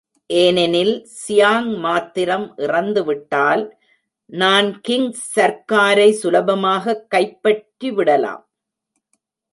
ஏனெனில் சியாங் மாத்திரம் இறந்து விட்டால் நான்கிங் சர்க்காரை சுலபமாகக் கைப்பற்றி விடலாம்.